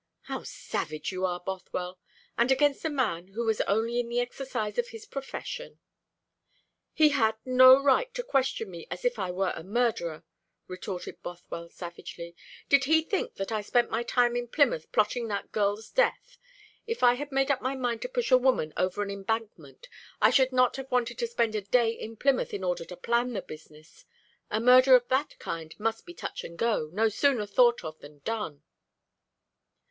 "How savage you are, Bothwell, and against a man who was only in the exercise of his profession!" "He had no right to question me as if I were a murderer," retorted Bothwell savagely. "Did he think that I spent my time in Plymouth plotting that girl's death? If I had made up my mind to push a woman over an embankment, I should not have wanted to spend a day in Plymouth in order to plan the business. A murder of that kind must be touch and go no sooner thought of than done."